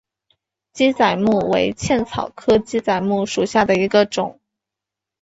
鸡仔木为茜草科鸡仔木属下的一个种。